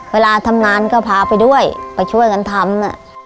เวลาทำงานก็พาไปด้วยไปช่วยกันทำ